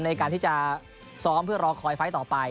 ในการที่จะซ้อมเพื่อรอคอยไฟล์ต่อไป